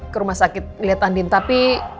ke rumah sakit lihat andin tapi